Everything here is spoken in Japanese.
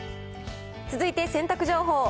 続いて、洗濯情報。